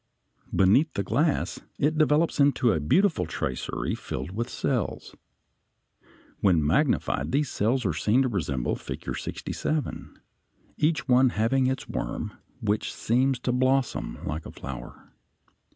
Beneath the glass it develops into a beautiful tracery filled with cells. When magnified these cells are seen to resemble Figure 67, each one having its worm, which seems to blossom like a flower.